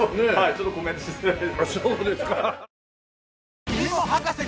ちょっとコメントしづらい。